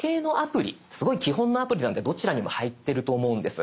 すごい基本のアプリなんでどちらにも入ってると思うんです。